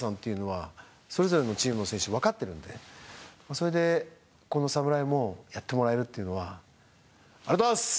それでこの侍もやってもらえるっていうのはありがとうございます！